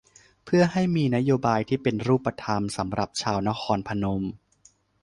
เพื่อให้มีนโยบายที่เป็นรูปธรรมสำหรับชาวนครพนม